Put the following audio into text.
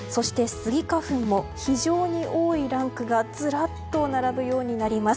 そしてスギ花粉も非常に多いランクがずらっと並ぶようになります。